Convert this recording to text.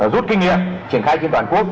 rút kinh nghiệm triển khai trên toàn quốc